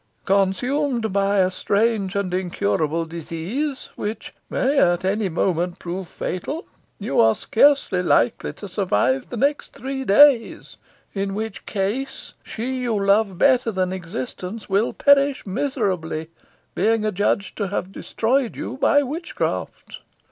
Consumed by a strange and incurable disease, which may at any moment prove fatal, you are scarcely likely to survive the next three days, in which case she you love better than existence will perish miserably, being adjudged to have destroyed you by witchcraft."